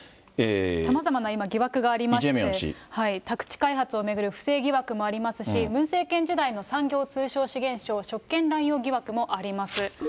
さまざまな今、疑惑がありまして、宅地開発を巡る不正疑惑もありますし、ムン政権時代の産業通商資源省職権乱用疑惑もあります。